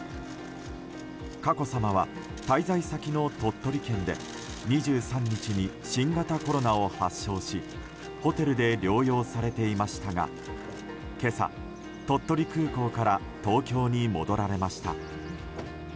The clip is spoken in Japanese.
佳子さまは滞在先の鳥取県で２３日に新型コロナを発症しホテルで療養されていましたが今朝、鳥取空港から東京に戻られました。